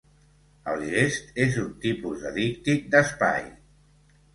El gest és un tipus de díctic d'espai.